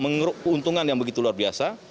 mengeruk keuntungan yang begitu luar biasa